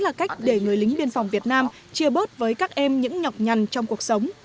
lính biên phòng việt nam chia bớt với các em những nhọc nhằn trong cuộc sống